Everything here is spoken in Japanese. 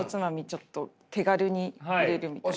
ちょっと手軽に入れるみたいな。